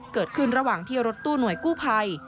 เกิดขึ้นระหว่างที่รถตู้หน่วยกู้ภัย